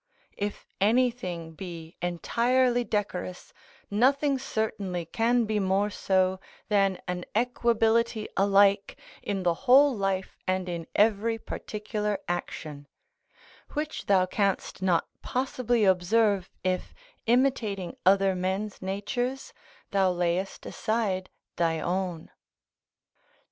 ["If anything be entirely decorous, nothing certainly can be more so than an equability alike in the whole life and in every particular action; which thou canst not possibly observe if, imitating other men's natures, thou layest aside thy own."